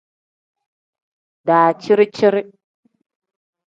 Daciri-ciri.